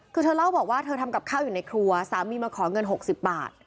คือเธอเล่าบอกว่าเธอทำกับข้าวอยู่ในครัวสามีมาขอเงิน๖๐บาท